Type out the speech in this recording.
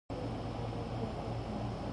He became a stockbroker and company director.